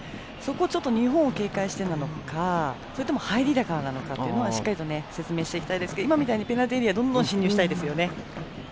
日本を警戒しているからなのかそれとも、入りだからなのかというのは、しっかり説明していきたいですが今みたいにペナルティーエリアどんどん進入したいですね。